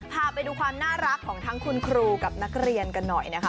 พาไปดูความน่ารักของทั้งคุณครูกับนักเรียนกันหน่อยนะคะ